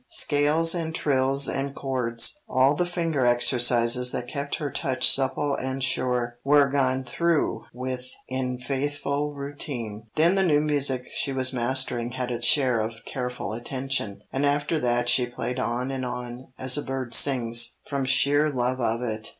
Scales and trills and chords, all the finger exercises that kept her touch supple and sure, were gone through with in faithful routine. Then the new music she was mastering had its share of careful attention, and after that she played on and on, as a bird sings, from sheer love of it.